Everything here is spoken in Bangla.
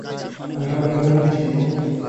আমি সামুরাইকে খবর দিচ্ছি বিপদ!